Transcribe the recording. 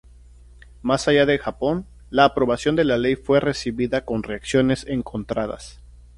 Más allá de Japón, la aprobación de la ley fue recibida con reacciones encontradas.